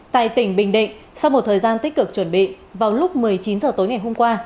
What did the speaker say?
tại tỉnh bình định sau một thời gian tích cực chuẩn bị vào lúc một mươi chín h tối ngày hôm qua